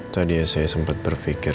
tadi saya sempat berpikir